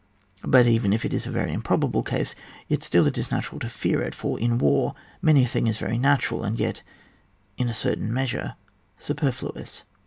But even if it is a very improbable case, yet still it is natural to fear it ; for in war, many a thing is very natural, and yet in a certain measure superfluous.